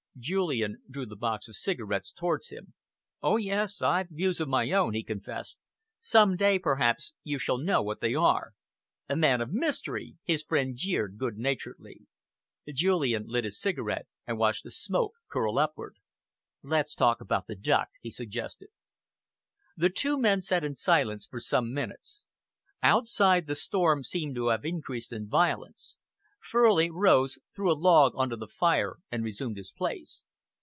Julian drew the box of cigarettes towards him. "Oh, yes, I've views of my own," he confessed. "Some day, perhaps, you shall know what they are." "A man of mystery!" his friend jeered good naturedly. Julian lit his cigarette and watched the smoke curl upward. "Let's talk about the duck," he suggested. The two men sat in silence for some minutes. Outside, the storm seemed to have increased in violence. Furley rose, threw a log on to the fire and resumed his place.